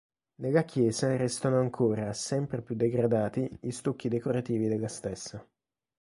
Nella chiesa restano ancora, sempre più degradati, gli stucchi decorativi della stessa.